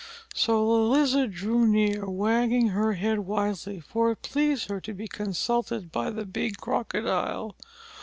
So the Lizard drew near, wagging her head wisely, for it pleased her to be consulted by the big Crocodile.